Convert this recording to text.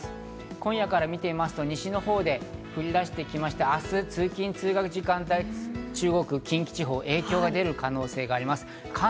今夜から見てみますと、西の方で降り出してきまして、明日、通勤・通学時間帯、中国・近畿地方に影響が出る可能性があります。